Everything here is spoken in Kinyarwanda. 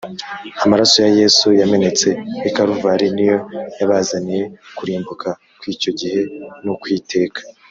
amaraso ya yesu yamenetse i kaluvari niyo yabazaniye kurimbuka kw’icyo gihe n’ukw’iteka